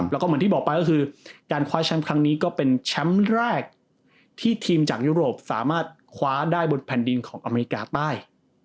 แล้วก็เหมือนที่บอกไปก็คือการคว้าแชมป์ครั้งนี้ก็เป็นแชมป์แรกที่ทีมจากยุโรปสามารถคว้าได้บนแผ่นดินของอเมริกาใต้